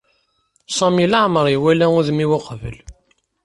Sami leɛmeṛ iwala udem-iw uqbel.